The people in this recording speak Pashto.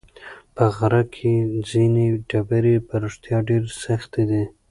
په غره کې ځینې ډبرې په رښتیا ډېرې سختې دي.